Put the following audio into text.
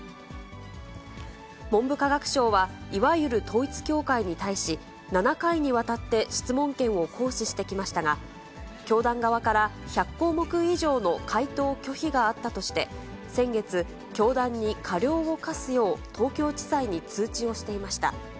文部科学省は、いわゆる統一教会に対し、７回にわたって質問権を行使してきましたが、教団側から１００項目以上の回答拒否があったとして、先月、教団に過料を科すよう、東京地裁に通知をしていました。